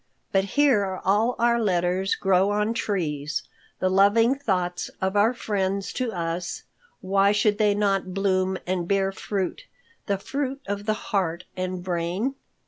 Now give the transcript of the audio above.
"But here all our letters grow on trees. The loving thoughts of our friends to us, why should they not bloom and bear fruit, the fruit of the heart and brain?"